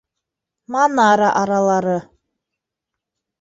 Манара аралары.